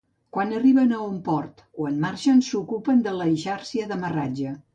Quan arriben a un port o en marxen, s'ocupen de l'eixàrcia d'amarratge.